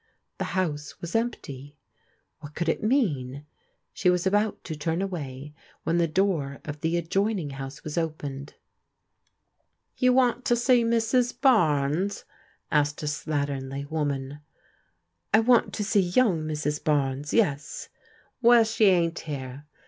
The house was empty. What could it mean ? She was about to turn away when the door of the adjoining house was opened. "You want to see Mrs. Barnes?" asked a slatternly woman. " I want to see young Mrs. Barnes, yes." " Well, she ain't here.